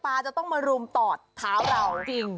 ปลาจะต้องมารุมตอดเท้าเรา